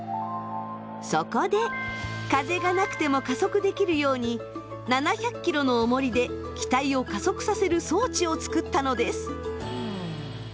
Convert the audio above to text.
そこで風がなくても加速できるように７００キロのおもりで機体を加速させる装置を作ったのです。